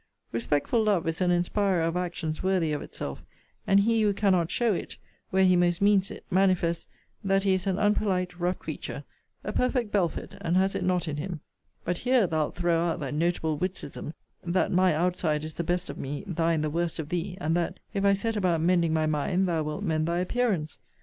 Respectful love is an inspirer of actions worthy of itself; and he who cannot show it, where he most means it, manifests that he is an unpolite rough creature, a perfect Belford, and has it not in him. * See Letter XLVI. of this volume. But here thou'lt throw out that notable witticism, that my outside is the best of me, thine the worst of thee; and that, if I set about mending my mind, thou wilt mend thy appearance.